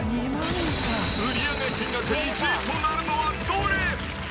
売り上げ金額１位となるのはどれ？